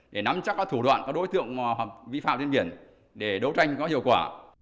để nắm chắc các thủ đoạn các đối tượng vi phạm trên biển để đấu tranh có hiệu quả